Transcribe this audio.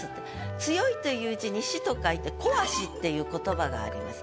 「強」という字に「し」と書いて「強し」っていう言葉があります。